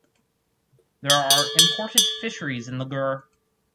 There are important fisheries in the Gur.